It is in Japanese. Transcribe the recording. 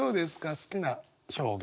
好きな表現。